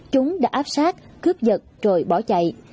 chúng đã áp sát cướp nhật rồi bỏ chạy